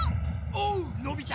おうのび太。